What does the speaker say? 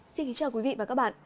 xin kính chào quý vị và các bạn